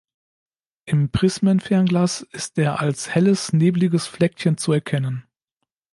Im Prismenfernglas ist er als helles nebliges Fleckchen zu erkennen.